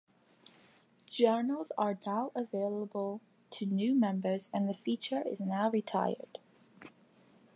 Journals are not available to new members and the feature is now retired.